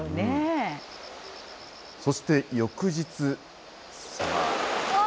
そして、翌日。